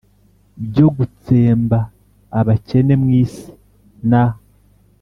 byo gutsemba abakene mu isi n